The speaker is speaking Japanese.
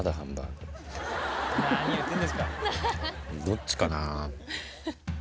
どっちかな？